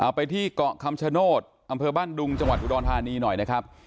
ไปที่เกาะคำชโนธอำเภอบ้านดุงจังหวัดอุดรธานีหน่อยนะครับ